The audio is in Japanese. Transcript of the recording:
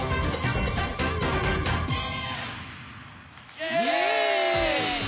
イエーイ！